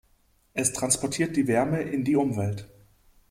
Es transportiert die Wärme in die Umwelt.